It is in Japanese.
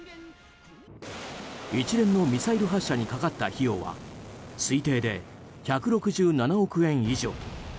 一連のミサイル発射にかかった費用は、推定で１６７億円以上。